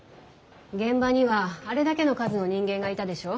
現場にはあれだけの数の人間がいたでしょ。